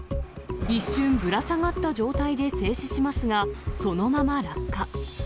一瞬、ぶら下がった状態で静止しますが、そのまま落下。